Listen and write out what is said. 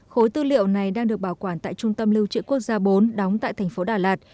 khối tư liệu này đang được bảo quản tại trung tâm lưu trữ quốc gia bốn đóng tại thành phố đà lạt